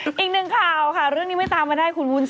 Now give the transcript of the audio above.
อีกหนึ่งข่าวค่ะเรื่องนี้ไม่ตามมาได้คุณวุ้น